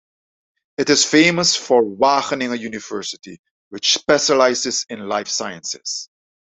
It is famous for Wageningen University, which specialises in life sciences.